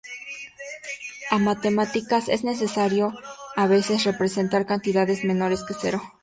En matemáticas es necesario, a veces, representar cantidades menores que cero.